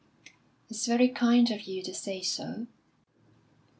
"It's very kind of you to say so."